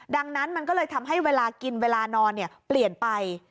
ดังนั้นมันก็เลยทำให้เวลากินเวลานอนเปลี่ยนไป